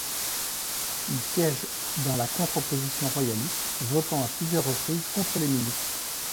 Il siège dans la contre-opposition royaliste, votant à plusieurs reprises contre les ministres.